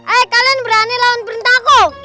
eh kalian berani lawan perintahku